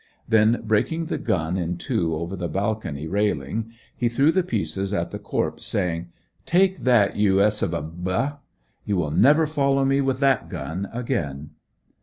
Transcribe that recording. Then breaking the gun in two over the balcony railing he threw the pieces at the corpse, saying: "Take that you s of a b h! You will never follow me with that gun again!"